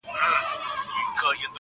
لاس دي راکه چي مشکل دي کړم آسانه٫